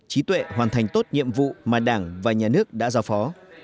trí tuệ hoàn thành tốt nhiệm vụ mà đảng và nhà nước đã giao phó